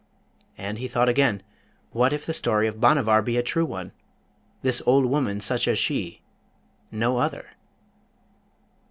And he thought again, 'What if the story of Bhanavar be a true one; this old woman such as she no other?'